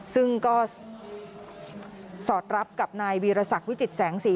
ซึ่งก็สอดรับกับนายวีรศักดิ์วิจิตแสงสี